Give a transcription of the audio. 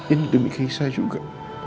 ini demi gaisa juga